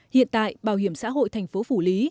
hiện tại bảo hiểm xã hội thành phố phủ lý